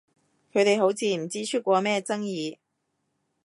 佢哋好似唔知出過咩爭議？